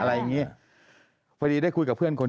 แต่ได้ยินจากคนอื่นแต่ได้ยินจากคนอื่น